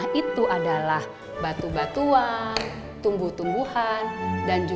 kita bapak bapak anda hanya ada harba matahari saja